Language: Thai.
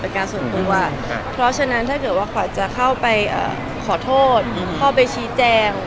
การส่วนตัวเพราะฉะนั้นถ้าเกิดว่าขวัญจะเข้าไปขอโทษเข้าไปชี้แจง